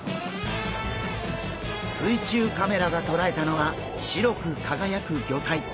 水中カメラがとらえたのは白く輝く魚体！